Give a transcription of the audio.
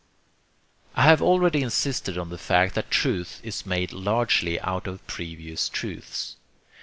I have already insisted on the fact that truth is made largely out of previous truths.